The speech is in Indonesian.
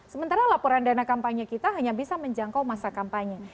sementara laporan dana kampanye kita hanya bisa menjangkau masa kampanye